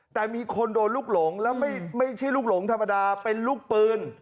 แต่มีคนโดนลูกหลงแล้วไม่ใช่ลูกหลงธรรมดาเป็นลูกปืน